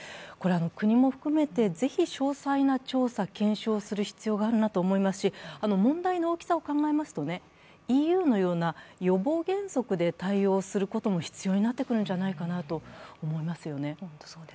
国も含めてぜひ詳細な調査検証をする必要があると思いますし問題の大きさを考えますと、ＥＵのような予防原則で対応することも必要になってくるんじゃないかなと思いますよね。